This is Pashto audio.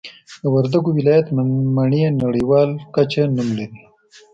د وردګو ولایت مڼې نړیوال کچه نوم لري